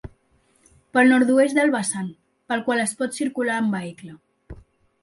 Pel nord-oest del vessant, pel qual es pot circular amb vehicle.